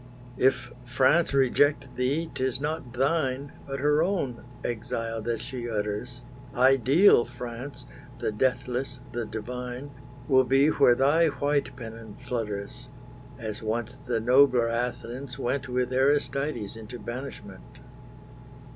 If France reject thee, 'tis not thine, But her own, exile that she utters; Ideal France, the deathless, the divine, Will be where thy white pennon flutters, As once the nobler Athens went With Aristides into banishment.